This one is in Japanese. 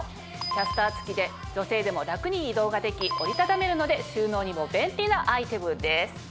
キャスター付きで女性でも楽に移動ができ折りたためるので収納にも便利なアイテムです。